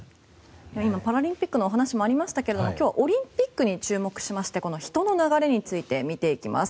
今、パラリンピックの話もありましたが今日はオリンピックに注目しましてこの人の流れについて見ていきます。